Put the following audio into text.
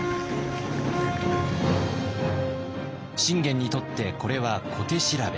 信玄にとってこれは小手調べ。